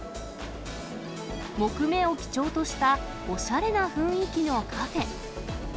木目を基調としたおしゃれな雰囲気のカフェ。